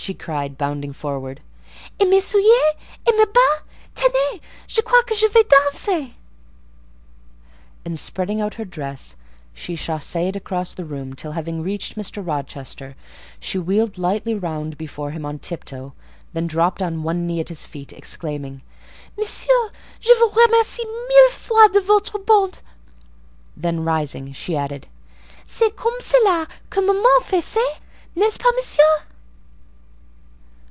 cried she, bounding forwards; "et mes souliers? et mes bas? Tenez, je crois que je vais danser!" And spreading out her dress, she chasséed across the room till, having reached Mr. Rochester, she wheeled lightly round before him on tip toe, then dropped on one knee at his feet, exclaiming— "Monsieur, je vous remercie mille fois de votre bonté;" then rising, she added, "C'est comme cela que maman faisait, n'est ce pas, monsieur?"